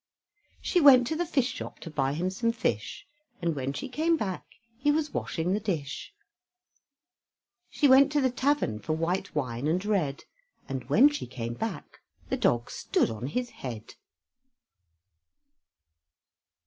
She went to the fish shop to buy him some fish, And when she came back he was washing the dish. She went to the tavern for white wine and red, And when she came back the dog stood on his head.